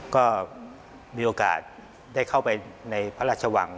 ก็มีโอกาสได้เข้าไปในพระราชวัง